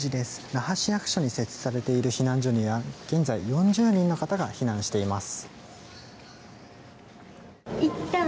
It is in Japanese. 那覇市役所に設置されている避難所には現在４０人の方が避難しています。